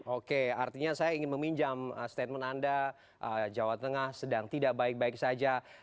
oke artinya saya ingin meminjam statement anda jawa tengah sedang tidak baik baik saja